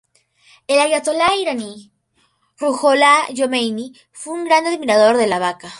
El ayatolá iraní Ruhollah Jomeini fue un gran admirador de "La vaca".